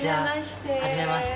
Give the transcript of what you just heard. はじめまして。